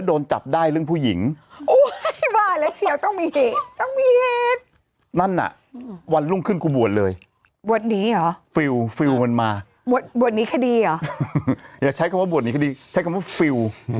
ว่าบวชนี่ก็ดีไม่สามารถใช้คำว่าบวชนี่ก็ดีใช้คำว่าฟิลล์